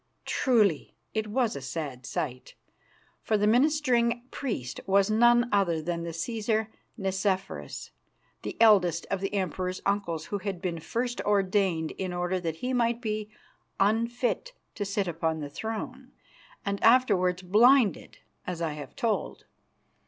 Truly it was a sad sight, for the ministering priest was none other than the Cæsar Nicephorus, the eldest of the Emperor's uncles, who had been first ordained in order that he might be unfit to sit upon the throne, and afterwards blinded, as I have told.